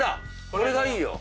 これがいいよ。